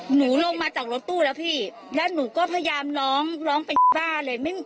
หนูลงมาจากรถตู้แล้วพี่แล้วหนูก็พยายามร้องร้องเป็นบ้าเลย